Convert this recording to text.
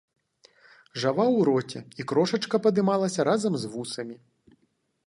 Жаваў у роце, і крошачка падымалася разам з вусамі.